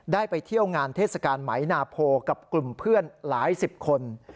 ไปเที่ยวงานเทศกาลไหมนาโพกับกลุ่มเพื่อนหลายสิบคน